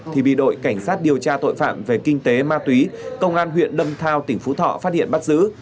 thì bị đội cảnh sát điều tra tội phạm về kinh tế ma túy công an huyện đâm thao tỉnh phú thọ phát hiện bắt giữ